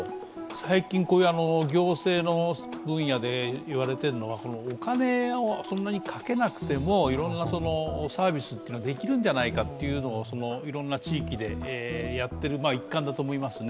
最近、行政の分野で言われているのは、お金をこんなにかけなくても、いろんなサービスはできるんじゃないかといろんな地域でやっている一環だと思いますね。